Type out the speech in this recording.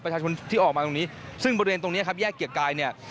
ประชาชนที่ออกมาตรงนี้ซึ่งบริเวณตรงนี้ครับแยกเกียรติกายเนี่ย